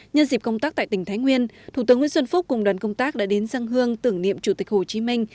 nhân dịp công tác tại tỉnh thái nguyên thủ tướng nguyễn xuân phúc cùng đoàn công tác đã đến dân hương tưởng niệm chủ tịch hồ chí minh